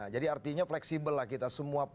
jadi artinya fleksibel lah kita semua